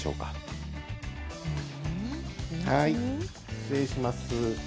失礼します。